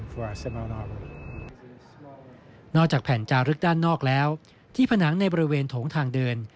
นอกจากแผ่นจารึกด้านนอกแล้วที่ผนังในบริเวณโถงทางเดิน